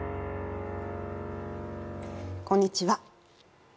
こんにちは